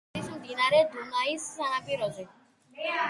ქალაქი არის მდინარე დუნაის სანაპიროზე.